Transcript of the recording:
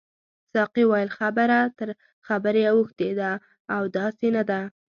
ساقي وویل خبره تر خبرې اوښتې ده او داسې نه ده.